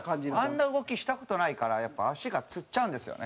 あんな動きした事ないからやっぱ足がつっちゃうんですよね。